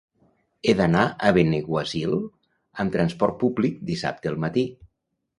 He d'anar a Benaguasil amb transport públic dissabte al matí.